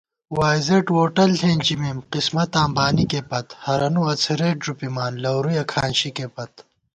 وائی زېڈ ووٹل ݪېنچِمېم، قسمتاں بانِکےپت * ہرَنُو اڅَھرېت ݫُپِمان لَورُیَہ کھانشِکےپت